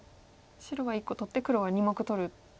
白は１個取って黒は２目取るっていう。